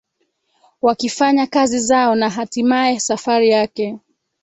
wakifanya kazi zao Na hatimaye safari yake